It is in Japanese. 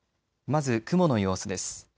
まず雲の様子です。